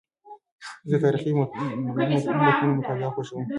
زه د تاریخي متونو مطالعه خوښوم.